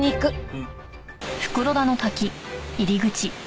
うん。